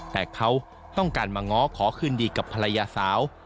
แต่เขาต้องการมาง้อขอคืนดีกับภรรยาสาว